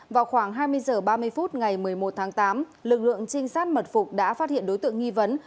vào khoảng hai mươi h ba mươi phút ngày một mươi một tháng tám lực lượng trinh sát mật phục đã phát hiện đối tượng nghi vấn